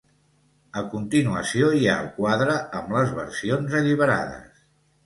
A continuació hi ha el quadre amb les versions alliberades.